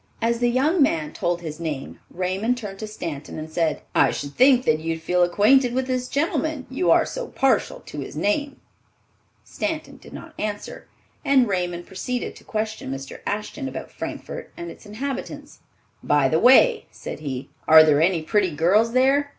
As the young man told his name, Raymond turned to Stanton and said, "I should think that you'd feel acquainted with this gentleman, you are so partial to his name." Stanton did not answer, and Raymond proceeded to question Mr. Ashton about Frankfort and its inhabitants. "By the way," said he, "are there any pretty girls there?